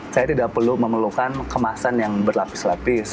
saya tidak perlu memerlukan kemasan yang berlapis lapis